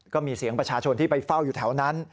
ก็มีเสียงประชาชนที่ไปเฝ้าอยู่แถวนั้น